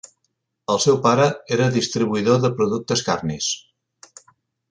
El seu pare era distribuïdor de productes carnis.